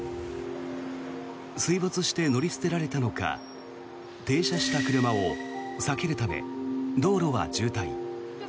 水没して乗り捨てられたのか停車した車を避けるため道路は渋滞。